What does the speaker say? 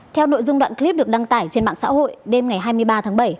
theo nội dung đoạn clip được đăng tải trên mạng xã hội đêm ngày hai mươi ba tháng bảy